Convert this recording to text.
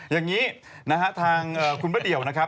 อย่างนี้นะฮะทางคุณพระเดี่ยวนะครับ